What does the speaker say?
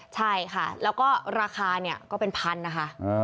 ใช่ค่ะแล้วก็ราคาก็เป็นพันธุ์นะคะ